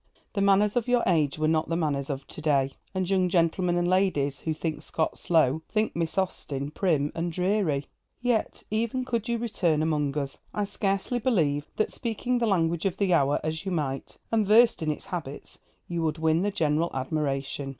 The manners of your age were not the manners of to day, and young gentlemen and ladies who think Scott 'slow,' think Miss Austen 'prim' and 'dreary.' Yet, even could you return among us, I scarcely believe that, speaking the language of the hour, as you might, and versed in its habits, you would win the general admiration.